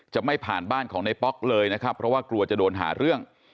จะไม่ผ่านบ้านของในป๊อกเลยนะครับเพราะว่ากลัวจะโดนหาเรื่อง